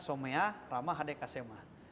sommeah ramah hadeh kasemah